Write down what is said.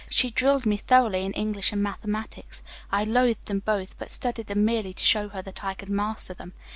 She drilled me thoroughly in English and mathematics. I loathed them both, but studied them merely to show her that I could master them.